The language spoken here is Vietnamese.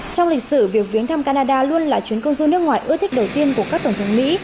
trong lịch sử việc viếng thăm canada luôn là chuyến công du nước ngoài ưa thích đầu tiên của các tổng thống mỹ